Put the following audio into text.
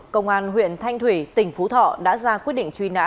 công an huyện thanh thủy tỉnh phú thọ đã ra quyết định truy nã